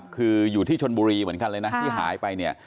คืออยู่ที่ชนบุรีเหมือนกันเลยนะที่หายไปเนี่ย